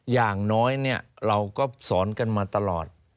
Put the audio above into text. อย่างน้อยเราก็สอนกันมาตลอด